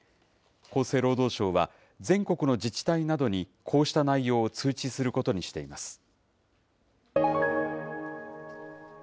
厚生労働省は、全国の自治体などにこうした内容を通知することにしています。